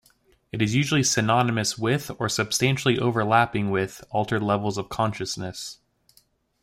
It is usually synonymous with, or substantially overlapping with, altered level of consciousness.